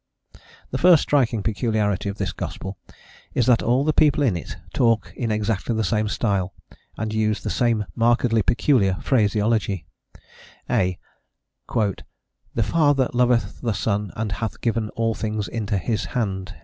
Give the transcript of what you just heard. The first striking peculiarity of this gospel is that all the people in it talk in exactly the same style and use the same markedly peculiar phraseology, (a) "The Father loveth the Son and hath given all things into his hand."